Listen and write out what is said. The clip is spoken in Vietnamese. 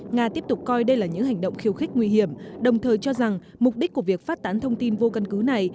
nga tiếp tục coi đây là những hành động khiêu khích nguy hiểm đồng thời cho rằng mục đích của việc phát tán thông tin vô căn cứ này